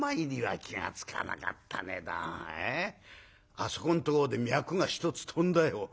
あそこんとこで脈が１つ飛んだよ。